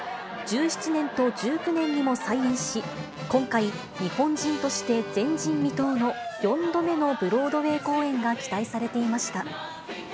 １７年と１９年にも再演し、今回、日本人として前人未到の４度目のブロードウェイ公演が期待されていました。